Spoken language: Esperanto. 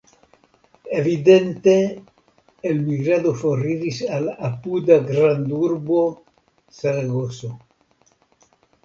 Evidente elmigrado foriris al apuda grandurbo Zaragozo.